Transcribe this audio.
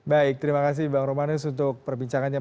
baik terima kasih bang romanes untuk perbincangannya